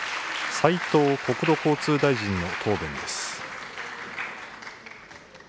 斉藤国土交通大臣の答弁です。